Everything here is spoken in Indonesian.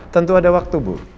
tentu ada waktu bu